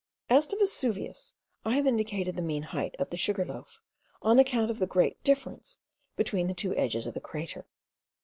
As to Vesuvius, I have indicated the mean height of the Sugar loaf, on account of the great difference between the two edges of the crater.)